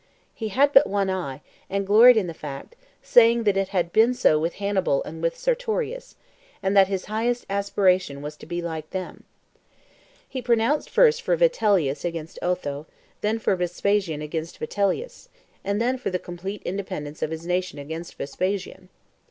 He had but one eye, and gloried in the fact, saying that it had been so with Hannibal and with Sertorius, and that his highest aspiration was to be like them. He pronounced first for Vitellius against Otho, then for Vespasian against Vitellius, and then for the complete independence of his nation against Vespasian.